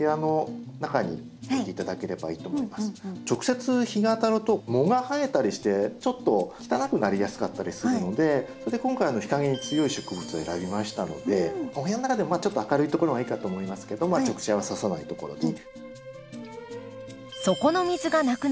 直接日が当たると藻が生えたりしてちょっと汚くなりやすかったりするのでそれで今回日陰に強い植物を選びましたのでお部屋の中でもちょっと明るいところがいいかと思いますけど直射はささないところに。